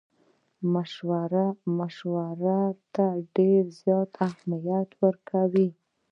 مشورو ته ډېر زیات اهمیت ورکوي.